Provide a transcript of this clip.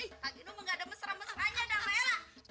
eh pak gino mah nggak ada mesra mesraannya dalam nia lah